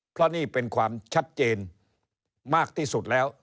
เพราะนี่เป็นความชัดเจนมากที่สุดแล้ว